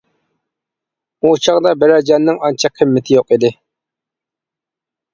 ئۇ چاغدا بىرەر جاننىڭ ئانچە قىممىتى يوق ئىدى.